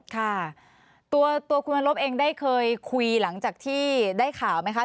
ค่ะตัวคุณวรบเองได้เคยคุยหลังจากที่ได้ข่าวไหมคะ